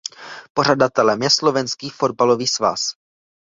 Pořadatelem je Slovenský fotbalový svaz.